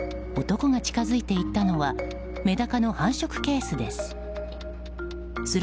男が近づいて行ったのはメダカの繁殖ケースです。